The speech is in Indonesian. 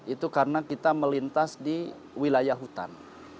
itu karena kita melintas di wilayah hutan